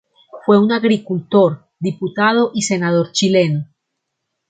Fue un agricultor, diputado y senador chileno.